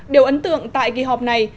điều ấn tượng tại kỳ họp này